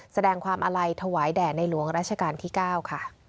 แสดงความอะไรถวายแด่ในหลวงราชกาลที่เก้าค่ะ